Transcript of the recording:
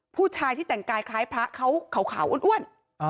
ผู้ชายที่แต่งกายคล้ายพระเขาขาวอ้วน